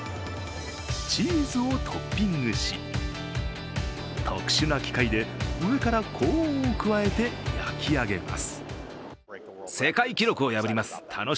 チーズをトッピングし特殊な機械で、上から高温を加えて焼き上げます。